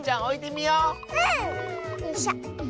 よいしょ。